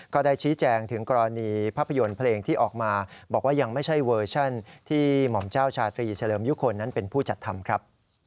ก็ได้ชี้แจงถึงกรณีภาพยนตร์เพลงที่ออกมาบอกว่ายังไม่ใช่เวอร์ชันที่หม่อมเจ้าชาตรีเฉลิมยุคลนั้นเป็นผู้จัดทำครับ